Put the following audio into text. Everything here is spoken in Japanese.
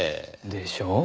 でしょう？